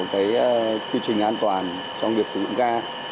cái quy trình an toàn trong việc sử dụng ga